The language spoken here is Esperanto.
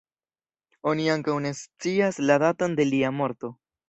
Oni ankaŭ ne scias la daton de lia morto.